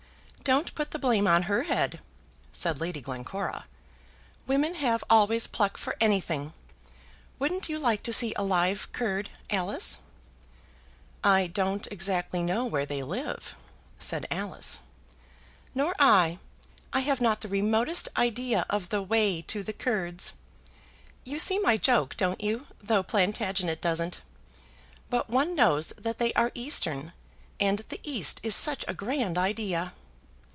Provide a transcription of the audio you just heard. "Don't put the blame on her head," said Lady Glencora. "Women have always pluck for anything. Wouldn't you like to see a live Kurd, Alice?" "I don't exactly know where they live," said Alice. "Nor I. I have not the remotest idea of the way to the Kurds. You see my joke, don't you, though Plantagenet doesn't? But one knows that they are Eastern, and the East is such a grand idea!"